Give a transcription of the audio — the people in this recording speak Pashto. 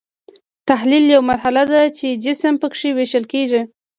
تحلیل یوه مرحله ده چې جسم پکې ویشل کیږي.